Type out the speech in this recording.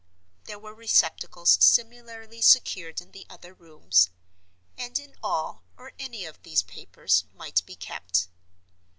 There were receptacles similarly secured in the other rooms; and in all or any of these papers might be kept.